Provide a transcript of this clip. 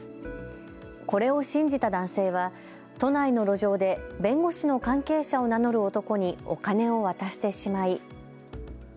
これを信じた男性は都内の路上で弁護士の関係者を名乗る男にお金を渡してしまい。